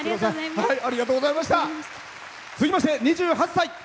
続きまして２８歳。